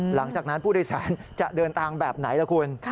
หลังจากนั้นผู้โดยสารจะเดินทางแบบไหนล่ะคุณ